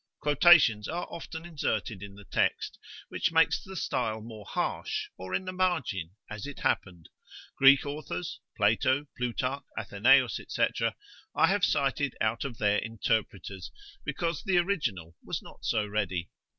Quotations are often inserted in the text, which makes the style more harsh, or in the margin, as it happened. Greek authors, Plato, Plutarch, Athenaeus, &c., I have cited out of their interpreters, because the original was not so ready.